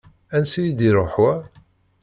Ansi i d-iruḥ wa?